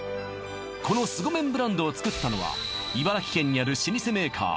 この凄麺ブランドを作ったのは茨城県にある老舗メーカー